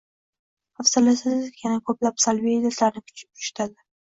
hafsalasizlik va yana ko‘plab salbiy illatlarni urchitadi